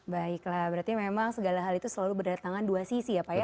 baiklah berarti memang segala hal itu selalu berdatangan dua sisi ya pak ya